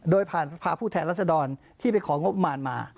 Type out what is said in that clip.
โดยผ่านสภาพผู้แทนรัศดรที่ไปของงบประมาณมา